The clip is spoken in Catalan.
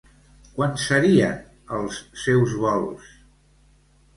Quan serien els seus vols?